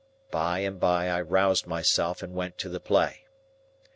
By and by, I roused myself, and went to the play.